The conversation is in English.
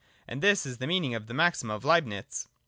And this is the meaning of the maxim of Leibnitz.